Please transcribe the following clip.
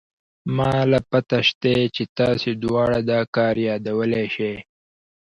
ما له پته شتې چې تاسې دواړه دا کار يادولې شې.